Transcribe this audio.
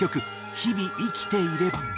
『日々、生きていれば』。